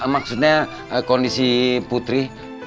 maksudnya kondisi putri